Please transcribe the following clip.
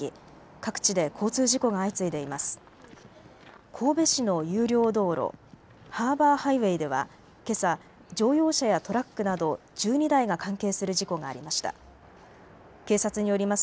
各地で交通事故が相次いでいます。